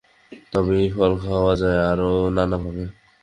তবে এই ফল খাওয়া যায় আরও নানাভাবে।